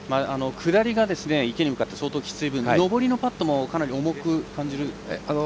下りが池に向かって相当きつい分上りのパットもかなり重く感じるでしょうか。